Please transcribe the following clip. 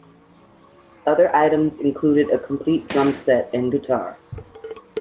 Other items included a complete drumset and guitar.